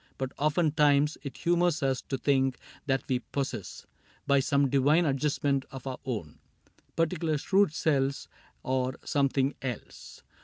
But oftentimes It humors us to think that we possess By some divine adjustment of our own Particular shrewd cells, or something else.